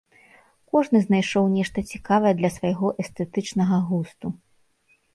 Кожны знайшоў нешта цікавае для свайго эстэтычнага густу.